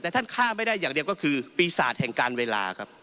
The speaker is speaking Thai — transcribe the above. แต่ท่านฆ่าไม่ได้อย่างเดียวก็คือปีศาจแห่งการเวลาครับ